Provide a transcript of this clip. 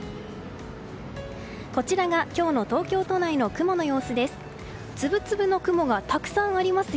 こちらが今日の東京都内の雲の様子です。